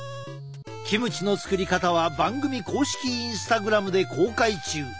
キムチの作り方は番組公式インスタグラムで公開中。